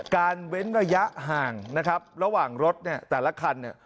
เว้นระยะห่างนะครับระหว่างรถเนี่ยแต่ละคันเนี่ย